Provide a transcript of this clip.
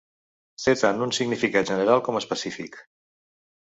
Té tant un significat general com específic.